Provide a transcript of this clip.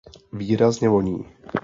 Výrazně voní.